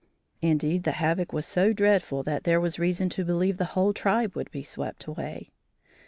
Indeed, the havoc was so dreadful that there was reason to believe the whole tribe would be swept away.